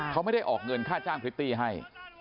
เขาไม่ได้ออกเงินค่าจ้างพริตตี้ให้